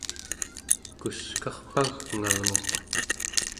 kuskarpagngalnguq